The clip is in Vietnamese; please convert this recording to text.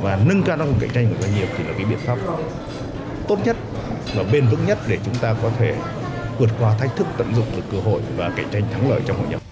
và nâng cao năng lực cạnh tranh của doanh nghiệp thì là cái biện pháp tốt nhất và bền vững nhất để chúng ta có thể vượt qua thách thức tận dụng được cơ hội và cạnh tranh thắng lợi trong hội nhập